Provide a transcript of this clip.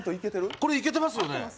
これ、いけてますよね？